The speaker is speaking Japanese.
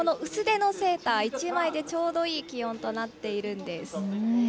薄手のセーター１枚でちょうどいい気温となっているんです。